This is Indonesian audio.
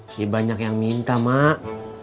banyak yang minta mak